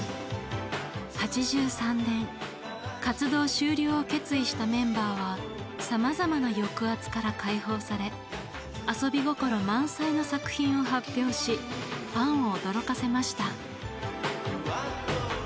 ８３年活動終了を決意したメンバーはさまざまな抑圧から解放され遊び心満載の作品を発表しファンを驚かせました。